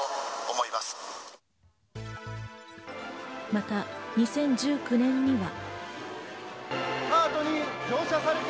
また２０１９年には。